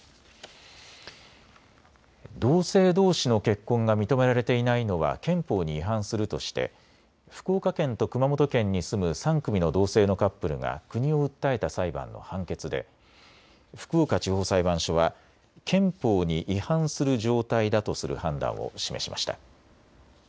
同性どうしの結婚が認められていないのは憲法に違反するとして福岡県と熊本県に住む３組の同性のカップルが国を訴えた裁判の判決で福岡地方裁判所は憲法に違反する状態だとする判断を示しました。